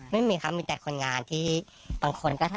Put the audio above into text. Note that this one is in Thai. ไม่มีครับมีแต่คนงานที่บางคนก็